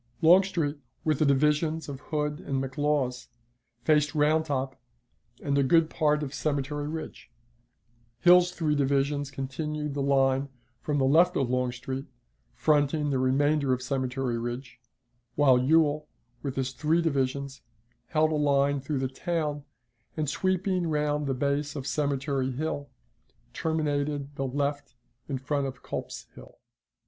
Longstreet, with the divisions of Hood and McLaws, faced Round Top and a good part of Cemetery Ridge; Hill's three divisions continued the line from the left of Longstreet, fronting the remainder of Cemetery Ridge; while Ewell, with his three divisions, held a line through the town, and, sweeping round the base of Cemetery Hill, terminated the left in front of Culps's Hill.